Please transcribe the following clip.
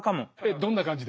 どんな感じで？